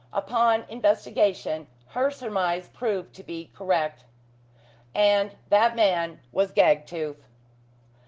Upon investigation, her surmise proved to be correct. And that man was Gagtooth.